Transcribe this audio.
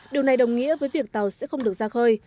điều này đồng nghĩa với việc tàu sẽ không được ra khơi